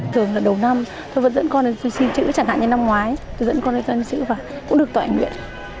thường là đầu năm tôi vẫn dẫn con đến xin chữ chẳng hạn như năm ngoái tôi dẫn con đến xin chữ và cũng được tội nguyện